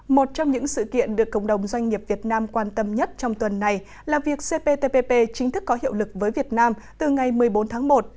một trong những sự kiện được cộng đồng doanh nghiệp việt nam quan tâm nhất trong tuần này là việc cptpp chính thức có hiệu lực với việt nam từ ngày một mươi bốn tháng một